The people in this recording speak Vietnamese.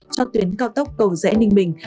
cho tuyến cao tốc cầu rẽ ninh bình